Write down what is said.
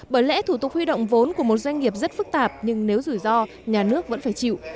bởi lẽ thủ tục huy động vốn của một doanh nghiệp rất phức tạp nhưng nếu rủi ro nhà nước vẫn phải chịu